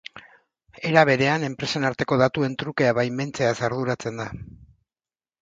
Era berean, enpresen arteko datuen trukea baimentzeaz arduratzen da.